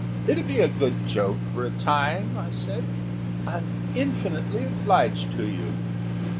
"It'll be a good joke for a time," I said. "I'm infinitely obliged to you."